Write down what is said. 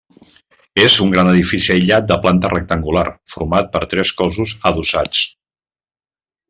És un gran edifici aïllat de planta rectangular, format per tres cossos adossats.